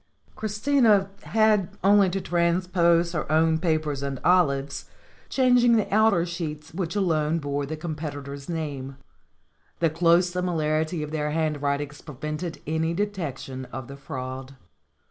Christina had only to transpose her own papers and Olive's, changing the outer sheets which alone bore the competitor's name. The close similarity of their handwritings prevented any detection of the fraud.